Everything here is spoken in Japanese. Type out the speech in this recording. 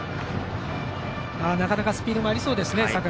なかなかスピードがありそうですね。